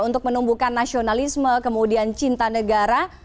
untuk menumbuhkan nasionalisme kemudian cinta negara